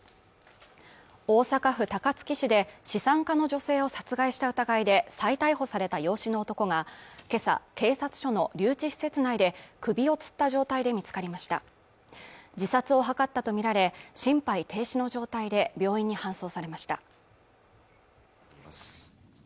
大阪府高槻市で資産家の女性を殺害した疑いで再逮捕された養子の男が今朝警察署の留置施設内で首をつった状態で見つかりました自殺を図ったと見られ心肺停止の状態で病院に搬送されました